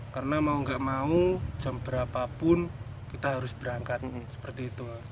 karena mau nggak mau jam berapapun kita harus berangkat seperti itu